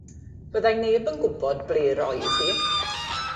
Fyddai neb yn gwybod ble roedd hi.